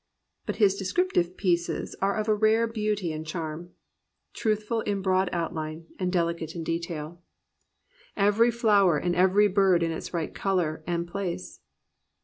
But his descriptive pieces are of a rare beauty and charm, truthful in broad outline and delicate detail, 346 i A PURITAN PLUS POETRY every flower and every bird in its right colour and place.